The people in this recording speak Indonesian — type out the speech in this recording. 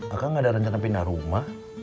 akang gak ada rencana pindah rumah